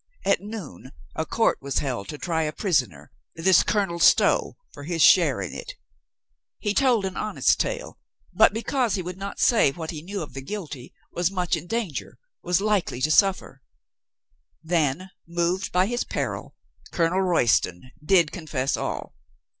At noon a court was held to try a prisoner, this Colonel Stow, for his share in it. He told an honest tale, but be THE LAST INSPIRATION 447 cause he would not say what he knew of the guilty, was much in danger, was like to suffer. Then, moved by his peril, Colonel Royston did confess all.